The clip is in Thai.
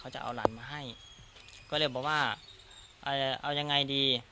จะเอาหลานมาให้ก็เลยบอกว่าเอายังไงดี